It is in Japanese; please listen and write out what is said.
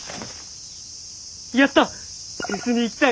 やった。